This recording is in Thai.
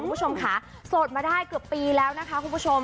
คุณผู้ชมค่ะโสดมาได้เกือบปีแล้วนะคะคุณผู้ชม